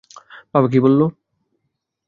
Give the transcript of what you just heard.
বাবা কি বললো?